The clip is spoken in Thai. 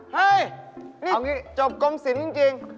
เฮ่ยนี่จบกรมศิลป์จริง